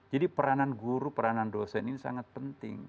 jadi peranan guru peranan dosen ini sangat penting